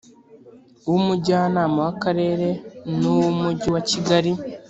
w umujyanama w akarere n uw umujyi wa kigali